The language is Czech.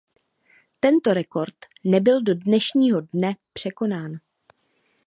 Tento rekord nebyl do dnešního dne překonán.